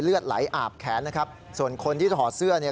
เลือดไหลอาบแขนนะครับส่วนคนที่ถอดเสื้อเนี่ย